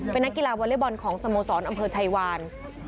เป็นนักกีฬาวอเล็กบอลของสโมสรอำเภอชัยวาน